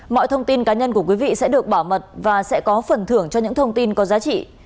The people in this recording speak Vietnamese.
mọi thông tin cá nhân của quý vị sẽ được bảo mật và sẽ có phần thưởng cho những thông tin có giá trị